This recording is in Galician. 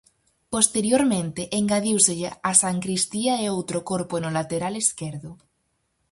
Posteriormente engadíuselle a sancristía e outro corpo no lateral esquerdo.